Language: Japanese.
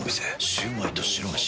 シュウマイと白めし。